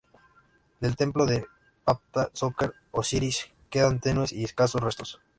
Del templo de Pta-Soker-Osiris quedan tenues y escasos restos.